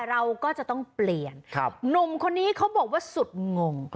เราก็จะต้องเปลี่ยนหนุ่มคนนี้เขาบอกว่าสุดงง